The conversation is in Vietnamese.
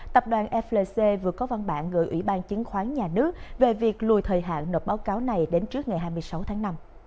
tập đoàn flc vừa có văn bản gửi ủy ban chứng khoán nhà nước về việc lùi thời hạn nộp báo cáo này đến trước ngày hai mươi sáu tháng năm